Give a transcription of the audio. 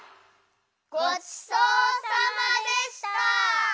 ごちそうさまでした！